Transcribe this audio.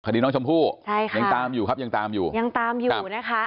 คดีน้องชมพู่ใช่ค่ะยังตามอยู่ครับยังตามอยู่ยังตามอยู่นะคะ